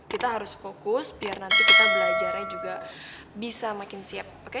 kita harus fokus biar nanti kita belajarnya juga bisa makin siap